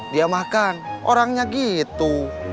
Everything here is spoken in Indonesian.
dia makan orangnya gitu